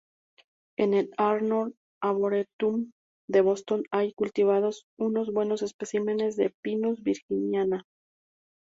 En el Arnold Arboretum de Boston hay cultivados unos buenos especímenes de "Pinus virginiana".